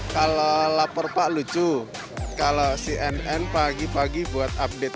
kalau lapor pak lucu kalau cnn pagi pagi buat update